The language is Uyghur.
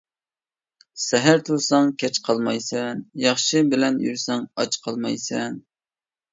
سەھەر تۇرساڭ كەچ قالمايسەن، ياخشى بىلەن يۈرسەڭ ئاچ قالمايسەن.